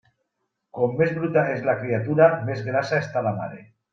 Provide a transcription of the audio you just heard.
Com més bruta és la criatura, més grassa està la mare.